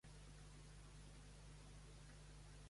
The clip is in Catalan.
La meva mare està pensant en casar-se.